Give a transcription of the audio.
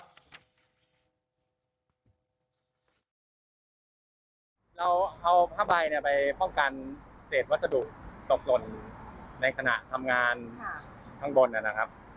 เราเอาผ้าใบไปป้องกันเศษวัสดุตกหล่นในขณะทำงานข้างบนนะครับ